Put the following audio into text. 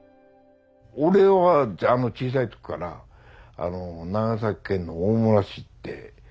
俺は小さい時から長崎県の大村市って。